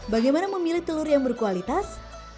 bagaimana memilih telur yang berkualitas